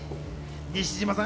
西島さん